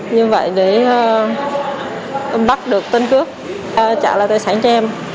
như vậy để bắt được tên cướp trả lại tài sản cho em